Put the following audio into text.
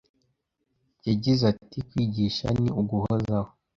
Yagize ati Kwigisha ni uguhozaho,